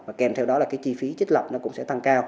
và kèm theo đó là cái chi phí trích lập nó cũng sẽ tăng cao